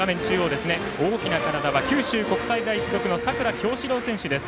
大きな体は九州国際大付属の佐倉侠史朗選手です。